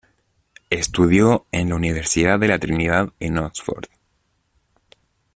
Estudió en la Universidad de la Trinidad, en Oxford.